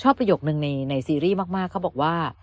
ประโยคนึงในซีรีส์มากเขาบอกว่า